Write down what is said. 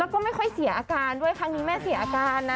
แล้วก็ไม่ค่อยเสียอาการด้วยครั้งนี้แม่เสียอาการนะ